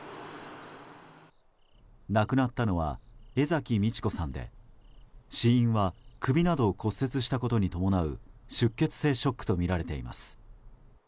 亡くなったのは江崎三千子さんで死因は首などを骨折したことに伴う出血性ショックとみられています。